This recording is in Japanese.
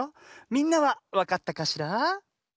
みんなはわかったかしら？